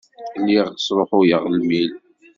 Lliɣ sṛuḥuyeɣ lmil.